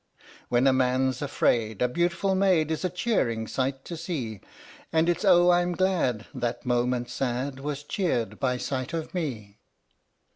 When a man 's afraid A beautiful maid Is a cheering sigh to see, And it 's O I'm glad That moment sad Was cheered by sight of me!